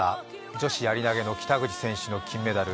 女子やり投の北口選手の金メダル